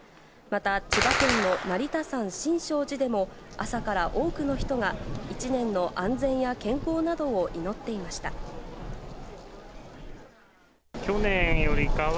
また、千葉県の成田山新勝寺でも、朝から多くの人が一年の安全や健康などを祈っていました。